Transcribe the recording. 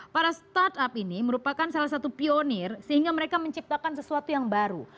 para startup ini merupakan salah satu pionir sehingga mereka menciptakan sesuatu yang baru